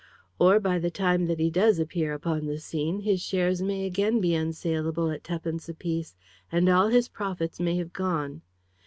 Or, by the time that he does appear upon the scene, his shares may again be unsaleable at twopence apiece, and all his profits may have gone.